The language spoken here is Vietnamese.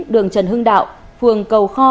đường trần hưng đạo phường cầu kho